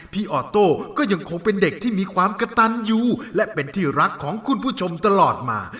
ออโต้ก็ยังคงเป็นเด็กที่มีความกระตันอยู่และเป็นที่รักของคุณผู้ชมตลอดมา